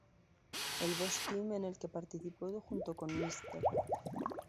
El Boss Team en el que participó junto con Mr.